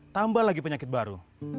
tambah lagi penyakit baru